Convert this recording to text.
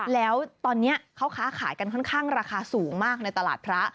แล้วตอนนี้เขาค้าขายกันค่อนข้างราคาสูงมากในตลาดพระ